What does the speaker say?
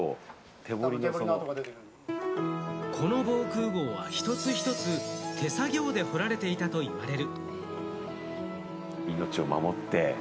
この防空壕は一つ一つ、手作業で掘られていたと言われる。